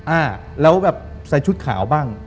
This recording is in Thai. อ่าแล้วแบบใส่ชุดขาวบ้าง